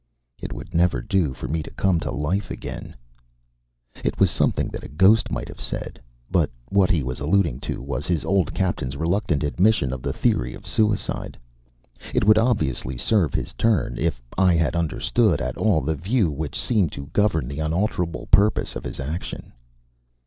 "It would never do for me to come to life again." It was something that a ghost might have said. But what he was alluding to was his old captain's reluctant admission of the theory of suicide. It would obviously serve his turn if I had understood at all the view which seemed to govern the unalterable purpose of his action.